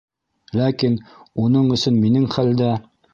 Ләкин... уның өсөн минең хәлдә...